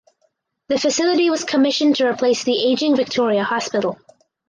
The facility was commissioned to replace the aging Victoria Hospital.